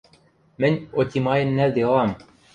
Мӹнь отимаен нӓлделам.